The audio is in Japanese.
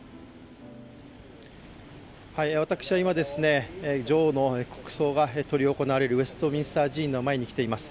私は今、女王の国葬が執り行われるウェストミンスター寺院の前に来ています。